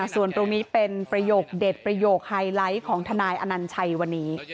ส่วนตรงนี้เป็นประโยคเด็ดประโยคไฮไลท์ของทนายอนัญชัยวันนี้